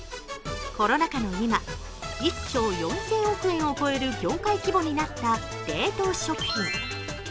コロナ禍の今、１兆４０００億円を超える業界規模になった冷凍食品。